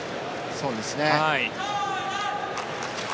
そうですね。